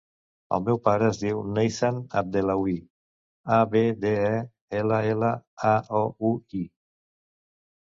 El meu pare es diu Neizan Abdellaoui: a, be, de, e, ela, ela, a, o, u, i.